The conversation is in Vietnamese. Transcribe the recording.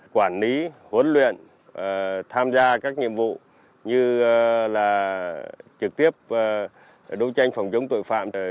quý vị hãy cùng theo chân tôi nhé